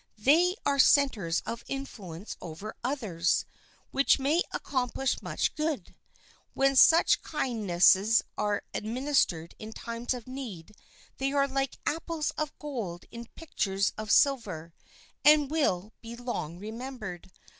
They are centers of influence over others, which may accomplish much good. When such kindnesses are administered in times of need, they are like "apples of gold in pictures of silver," and will be long remembered.